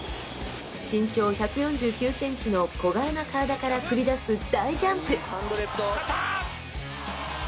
身長１４９センチの小柄な体から繰り出す大ジャンプ！